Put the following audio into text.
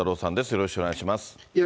よろしくお願いします。